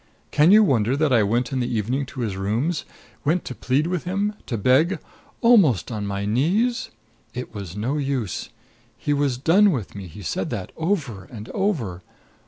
Can you wonder that I went in the evening to his rooms went to plead with him to beg, almost on my knees? It was no use. He was done with me he said that over and over.